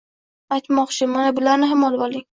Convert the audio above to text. Aytmoqchi, mana bularni ham olvoling.